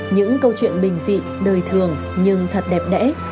những câu chuyện bình dị đời thường nhưng thật đẹp đẽ